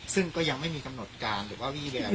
ซึ่งก็ยังไม่มีกำหนดการหรือว่าวี่แวว